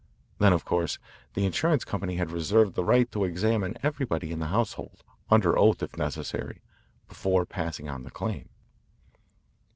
Then, of course, the insurance company had reserved the right to examine everybody in the household, under oath if necessary, before passing on the claim.